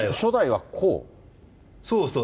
そうそう。